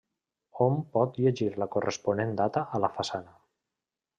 Hom pot llegir la corresponent data a la façana.